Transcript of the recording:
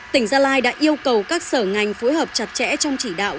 tỉnh gia lai đã yêu cầu các sở ngành phối hợp chặt chẽ trong chỉ đạo